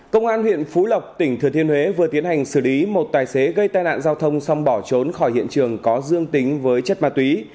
công an huyện phú lộc tỉnh thừa thiên huế vừa tiến hành xử lý một tài xế gây tai nạn giao thông xong bỏ trốn khỏi hiện trường có dương tính với chất ma túy